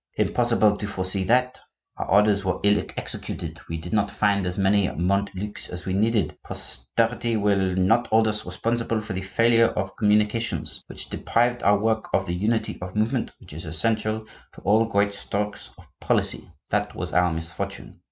Impossible to foresee that. Our orders were ill executed; we did not find as many Montlucs as we needed. Posterity will not hold us responsible for the failure of communications, which deprived our work of the unity of movement which is essential to all great strokes of policy; that was our misfortune!